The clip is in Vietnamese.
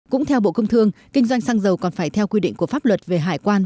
cũng theo bộ công thương kinh doanh xăng dầu còn phải theo quy định của pháp luật về hải quan